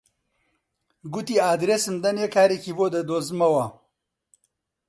گوتی: ئاردێسم دەنێ کارێکی بۆ دەدۆزمەوە